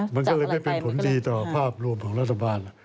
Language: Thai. มันก็เลยไม่เป็นผลดีต่อภาพรวมของรัฐบาล